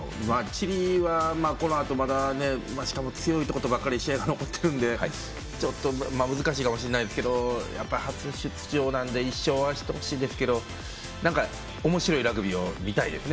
チリは、このあと、まだしかも強いところとばっかり試合が残ってるんで、ちょっと難しいかもしれないですけどやっぱり、初出場なんで１勝はしてほしいですけどおもしろいラグビーを見たいです。